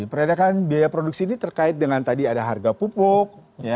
peredakan biaya produksi ini terkait dengan tadi ada harga pupuk